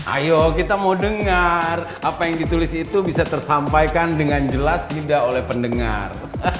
ayo kita mau dengar apa yang ditulis itu bisa tersampaikan dengan jelas tidak oleh pendengar